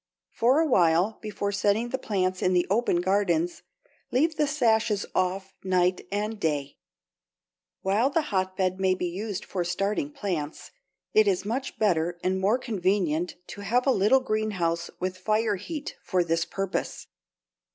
For a while before setting the plants in the open gardens, leave the sashes off night and day. [Illustration: FIG. 86. GREENHOUSE AND COLD FRAMES] While the hotbed may be used for starting plants, it is much better and more convenient to have a little greenhouse with fire heat for this purpose.